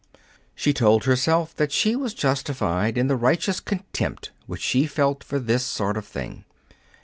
She told herself that she was justified in the righteous contempt which she felt for this sort of thing.